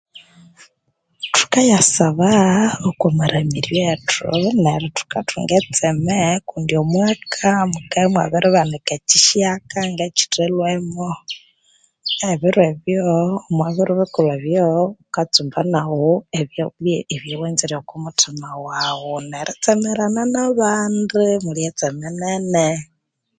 Thukayasaba okwa maramiryo ethu neru thuka thunga etseme kundi omwaka mukabya imwabiribanika ekyihyaka nge ekyithalhwemo. ebiro ebyo, omwa biro bikulhu ebyo wukatsumba nagho ebyalya ebya wanzire okwa muthima wagho neritsemerana nabandi mulye etseme nene